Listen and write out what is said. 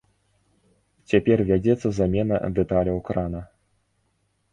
Цяпер вядзецца замена дэталяў крана.